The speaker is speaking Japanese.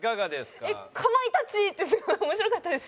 「かまいたち！」ってすごい面白かったです。